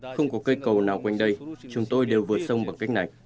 không có cây cầu nào quanh đây chúng tôi đều vượt sông bằng cách này